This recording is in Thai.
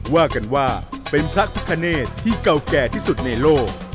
ว่ากันว่าเป็นพระพิคเนตที่เก่าแก่ที่สุดในโลก